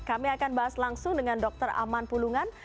kami akan bahas langsung dengan dr aman pulungan